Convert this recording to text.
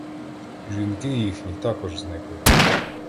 Жінки їхні також зникли.